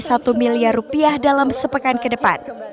satu miliar rupiah dalam sepekan ke depan